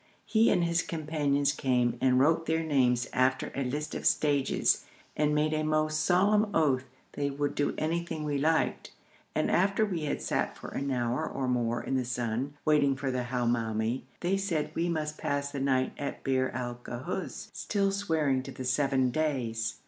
He and his companions came and wrote their names after a list of stages, and made a most solemn oath they would do anything we liked; and after we had sat for an hour or more in the sun, waiting for the Hamoumi, they said we must pass the night at Bir al Ghuz, still swearing to the seven days.